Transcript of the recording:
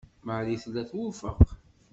Marie tella twufeq.